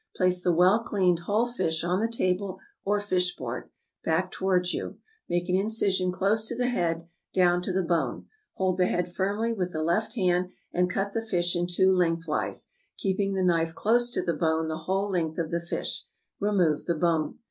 Place the well cleaned whole fish on the table or fish board, back towards you; make an incision close to the head, down to the bone; hold the head firmly with the left hand, and cut the fish in two lengthwise, keeping the knife close to the bone the whole length of the fish; remove the bone.